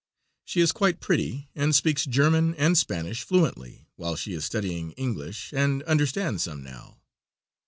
She is quite pretty, and speaks German and Spanish fluently, while she is studying English, and understands some now.